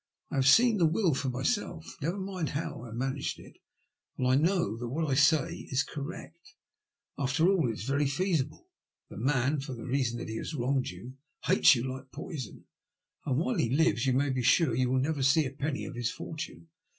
I have seen the will for myself — never mind how I managed it — and I know that what I say is correct. After all, it is very feasible. The man, for the reason that he has wronged you, hates you like poison, and while he lives you may be sure you will never see a penny of his fortune.